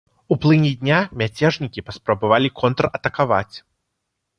У плыні дня мяцежнікі паспрабавалі контратакаваць.